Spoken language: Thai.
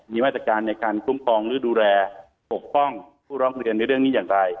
มีมาตรการในการคุ้มครองหรือดูแลปกป้องผู้ร้องเรียนในเรื่องนี้อย่างไร